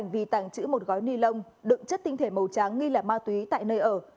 hành vi tặng chữ một gói ni lông đựng chất tinh thể màu trắng nghi là ma túy tại nơi ở